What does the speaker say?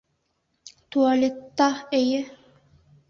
— Туалетта, эйе.